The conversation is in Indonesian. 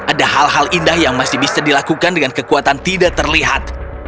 ada hal hal indah yang masih bisa dilakukan dengan kekuatan tidak terlihat